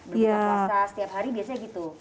berbuka puasa setiap hari biasanya gitu